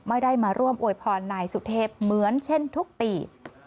ไม่ได้มาร่วมอวยพรนายสุเทพเหมือนเช่นทุกปี